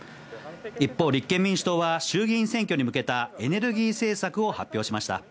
一方、立憲民主党は、衆議院選挙に向けたエネルギー政策を発表しました。